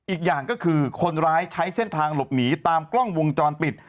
อีกอย่างก็คือคนร้ายใช้เส้นทางหลบหนีตามกล้องวงจรปิด